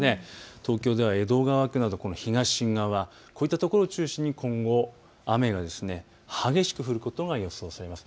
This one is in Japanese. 東京では江戸川区など東側、こういったところを中心に雨が激しく降ることが予想されます。